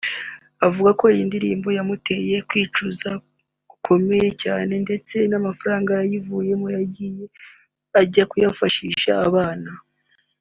avugako iyo ndirimbo yamuteye kwicuza gukomeye cyane ndetse namafaranga yayivuyemo yahise ajya kuyafashisha abantu